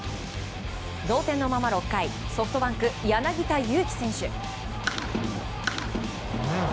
同点のまま、６回ソフトバンク、柳田悠岐選手。